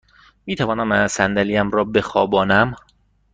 می توانم صندلی ام را بخوابانم؟